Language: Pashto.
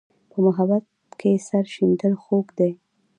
په محبت کې سر شیندل خوږ دي.